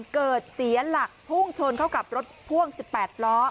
เกิดเสียหลักพุ่งชนเข้ากับรถพ่วงสิบแปดล้อ